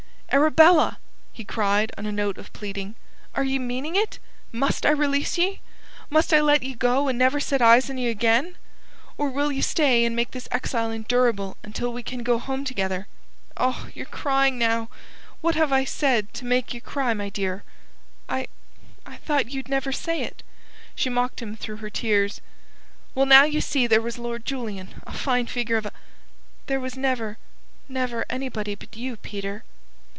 "Arabella!" he cried on a note of pleading. "Are ye meaning it? Must I release ye? Must I let ye go and never set eyes on ye again? Or will ye stay and make this exile endurable until we can go home together? Och, ye're crying now! What have I said to make ye cry, my dear?" "I... I thought you'd never say it," she mocked him through her tears. "Well, now, ye see there was Lord Julian, a fine figure of a...." "There was never, never anybody but you, Peter."